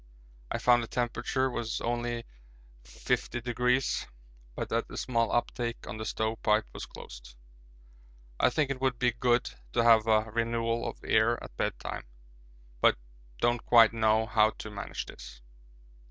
I found the temperature was only 50°, but that the small uptake on the stove pipe was closed. I think it would be good to have a renewal of air at bed time, but don't quite know how to manage this.